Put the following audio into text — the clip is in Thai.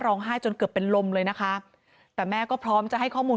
ให้จนเกือบเป็นลมเลยนะคะแต่แม่ก็พร้อมจะให้ข้อมูล